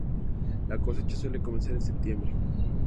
La cosecha suele comenzar en septiembre.